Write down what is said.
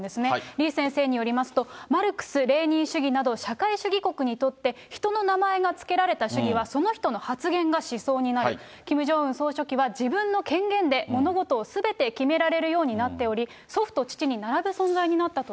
李先生によりますと、マルクス・レーニン主義など、社会主義国にとって人の名前が付けられた主義はその人の発言が思想になり、キム・ジョンウン総書記は自分の権限で物事をすべて決められるようになっており、祖父と父に並ぶ存在になったと。